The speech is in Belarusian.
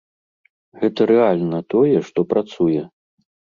Гэта рэальна тое, што працуе.